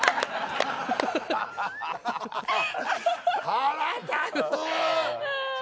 腹立つ！